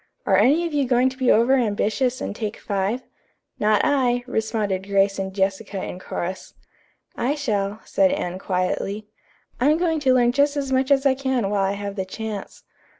Are any of you going to be over ambitious and take five?" "Not I," responded Grace and Jessica in chorus. "I shall," said Anne quietly. "I'm going to learn just as much as I can while I have the chance."